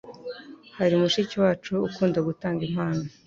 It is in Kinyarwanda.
Hari mushiki wacu ukunda gutanga impano